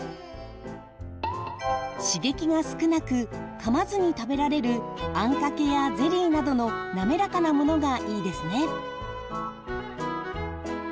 刺激が少なくかまずに食べられるあんかけやゼリーなどのなめらかなものがいいですね。